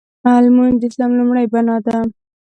لمونځ د اسلام لومړۍ بناء ده.